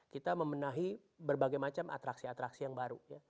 kita memenahi berbagai macam atraksi atraksi yang baru